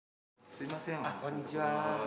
すいませんこんにちは。